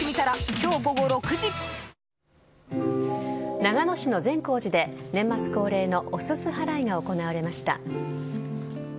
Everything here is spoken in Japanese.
長野市の善光寺で年末恒例のおすす払いが行われました。